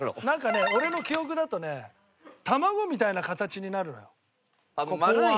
なんかね俺の記憶だとね卵みたいな形になるのよ。